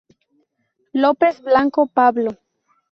López Blanco, Pablo.